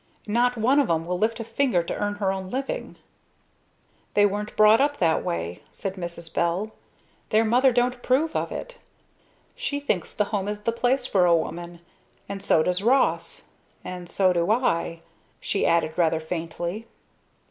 And not one of 'em will lift a finger to earn her own living." "They weren't brought up that way," said Mrs. Bell. "Their mother don't approve of it. She thinks the home is the place for a woman and so does Ross and so do I," she added rather faintly.